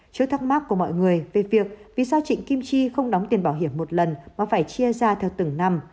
trước thắc mắc của mọi người về việc vì sao trịnh kim chi không đóng tiền bảo hiểm một lần mà phải chia ra theo từng năm